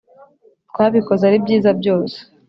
twabikoze ari byiza byose